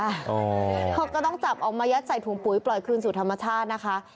เขาก็ต้องจับออกมายัดใส่ถุงปุ๋ยปล่อยคืนสู่ธรรมชาตินะคะ